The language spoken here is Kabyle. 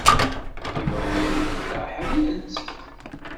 Imawlan-nteɣ ḥemmlen-tt.